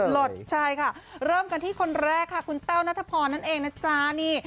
หลดใช่ค่ะเริ่มกันที่คนแรกค่ะคุณแต้วนัทพรนั่นเองนะจ๊ะนี่